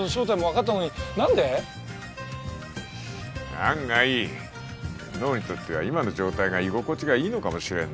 案外脳にとっては今の状態が居心地がいいのかもしれんな。